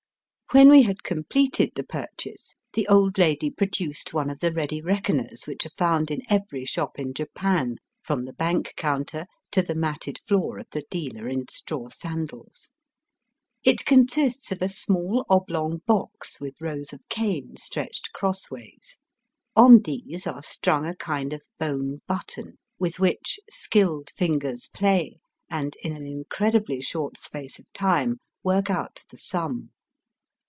When we had completed the purchase, the old lady produced one of the ready reckoners which are found in every shop in Japan, from the bank counter to the matted floor of the dealer in straw sandals. It consists of a small oblong box with rows of cane stretched cross ways. On these are strung a kind of bone button, with which skilled fingers play, and in an incredibly short space of time work out the sum.